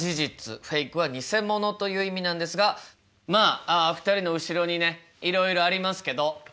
という意味なんですがまあ２人の後ろにねいろいろありますけど。